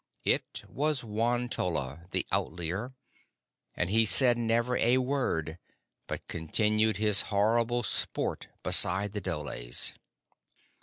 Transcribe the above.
It was Won tolla, the Outlier, and he said never a word, but continued his horrible sport beside the dholes.